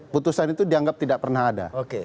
putusan itu dianggap tidak pernah ada